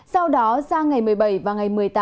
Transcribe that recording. sau đó sang ngày một mươi bảy và ngày một mươi tám